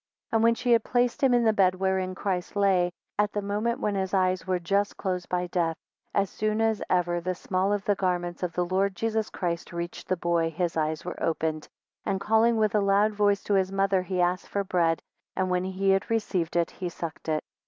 6 And when she had placed him in the bed wherein Christ lay, at the moment when his eyes were just closed by death; as soon as ever the small of the garments of the Lord Jesus Christ reached the boy, his eyes were opened, and calling with a loud voice to his mother, he asked for bread, and when he had received it, he sucked it.